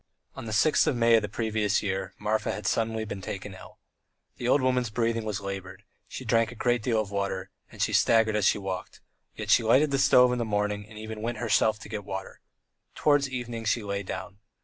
On the sixth of May of the previous year Marfa had suddenly been taken ill. The old woman's breathing was laboured, she drank a great deal of water, and she staggered as she walked, yet she lighted the stove in the morning and even went herself to get water. Towards evening she lay down.